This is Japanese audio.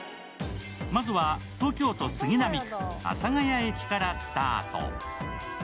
まずは東京都杉並区阿佐ヶ谷駅からスタート。